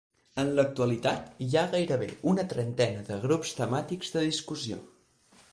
En l'actualitat hi ha gairebé una trentena de grups temàtics de discussió.